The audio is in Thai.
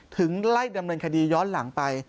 ไล่ดำเนินคดีย้อนหลังไป